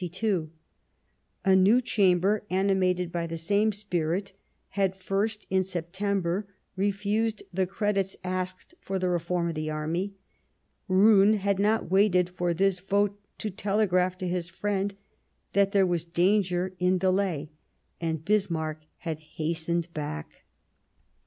A new Chamber, animated by the same spirit, had first, in September, refused the credits asked for the reform of the Army. Roon had not waited for this vote to telegraph to his friend that there was " danger in delay," and Bismarck had hastened back.